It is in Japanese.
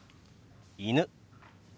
「犬」。